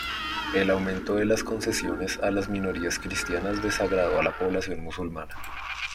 El aumento de las concesiones a las minorías cristianas desagradó a la población musulmana.